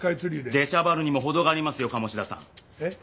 出しゃばるにも程がありますよ鴨志田さん。え？